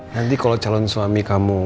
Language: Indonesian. nanti kalau calon suami kamu